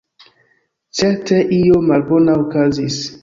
Certe io malbona okazis.